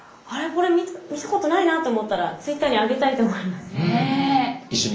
これ見たことないなと思ったらツイッターに上げたいと思います。